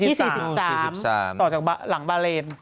ที่๔๓ต่อจากหลังบาเลน